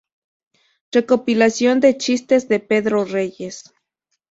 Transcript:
Recopilación de chistes de Pedro Reyes